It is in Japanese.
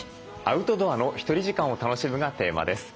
「アウトドアのひとり時間を楽しむ」がテーマです。